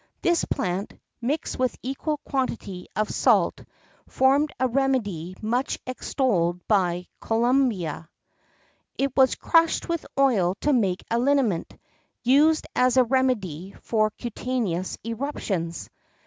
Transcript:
This plant, mixed with an equal quantity of salt, formed a remedy much extolled by Columella.[X 22] It was crushed with oil to make a liniment, used as a remedy for cutaneous eruptions.